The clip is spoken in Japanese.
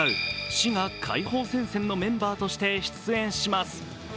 滋賀解放戦線のメンバーとして出演します。